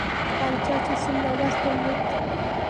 هر چا چې څومره وس درلود.